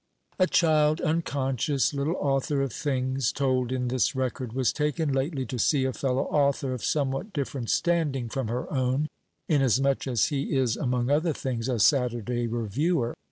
A child, unconscious little author of things told in this record, was taken lately to see a fellow author of somewhat different standing from her own, inasmuch as he is, among other things, a Saturday Reviewer.